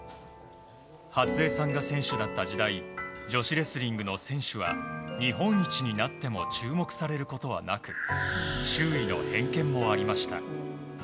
初江さんが選手だった時代女子レスリングの選手は日本一になっても注目されることはなく周囲の偏見もありました。